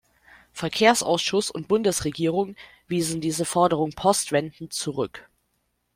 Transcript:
Verkehrsausschuss und Bundesregierung wiesen diese Forderung postwendend zurück.